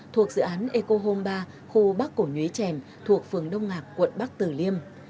thuộc dự án eco home ba khu bắc cổ nhuế chèn thuộc phường đông ngạc quận bắc tử liêm